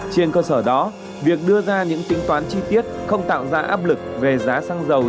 trên cơ sở đó việc đưa ra những tính toán chi tiết không tạo ra áp lực về giá xăng dầu